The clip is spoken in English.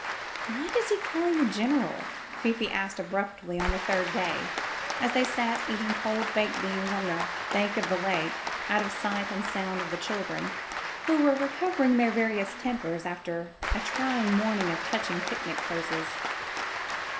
*' '*Why does he call you general?" Fifi asked abruptly on the third day, as they sat eating cold baked beans on the bank of the lake, out of sight and sound of the chil dren, who were recovering their various tempers after a trying morning of touching picnic poses.